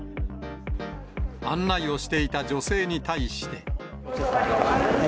案内をしていた女性に対して。